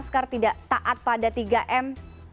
masker tidak taat pada tiga m